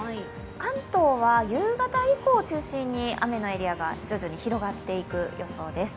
関東は夕方以降を中心に雨のエリアが徐々に広がっていく予想です。